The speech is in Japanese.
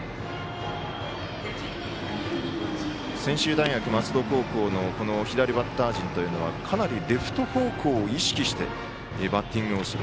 専修大学松戸高校の左バッター陣というのはかなり、レフト方向を意識してバッティングをする。